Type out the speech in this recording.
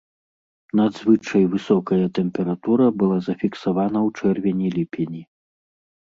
Надзвычай высокая тэмпература была зафіксавана ў чэрвені-ліпені.